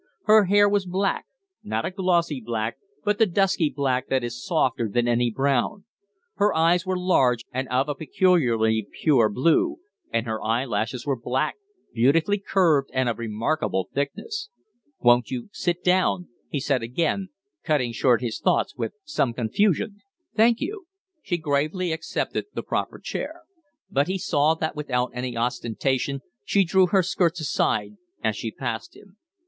Her hair was black not a glossy black, but the dusky black that is softer than any brown; her eyes were large and of a peculiarly pure blue; and her eyelashes were black, beautifully curved and of remarkable thickness. "Won't you sit down?" he said again, cutting short his thoughts with some confusion. "Thank you." She gravely accepted the proffered chair. But he saw that without any ostentation she drew her skirts aside as she passed him.